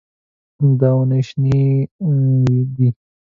دا ونې شنې دي.